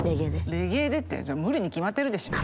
「レゲエで」って無理に決まってるでしょ。